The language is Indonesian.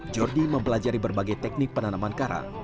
jordi mempelajari berbagai teknik penanaman karang